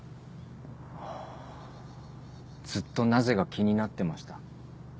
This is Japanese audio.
ずっと「なぜ」が気になってました。